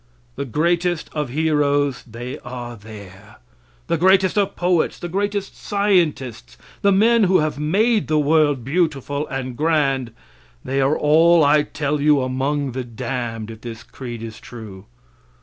The greatest of heroes, they are there. The greatest of poets, the greatest scientists, the men who have made the world beautiful and grand, they are all, I tell you, among the damned, if this creed is true.